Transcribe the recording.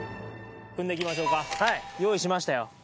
くんでいきましょうか用意しましたよ